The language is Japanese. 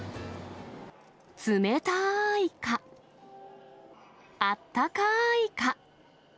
つめたーいか、あったかーいか。